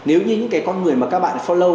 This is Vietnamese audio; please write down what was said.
nếu như những cái con người mà các bạn follow